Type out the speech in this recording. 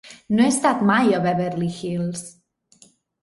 No he estat mai a Beverly Hills.